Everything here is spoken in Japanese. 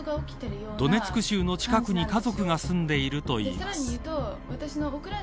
ドネツク州の近くに家族が住んでいるといいます。